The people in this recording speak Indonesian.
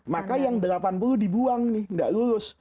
maka yang delapan puluh dibuang nih nggak lulus